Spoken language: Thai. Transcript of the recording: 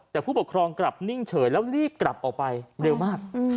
แต่ผู้ปกครองกลับนิ่งเฉยแล้วรีบกลับออกไปเร็วมาก